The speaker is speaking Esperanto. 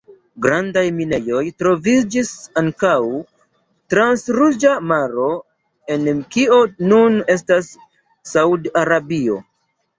Grandaj minejoj troviĝis ankaŭ trans Ruĝa Maro en kio nun estas Saud-Arabio.